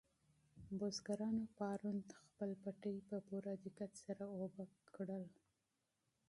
بزګرانو پرون خپل پټي په پوره دقت سره اوبه کړل.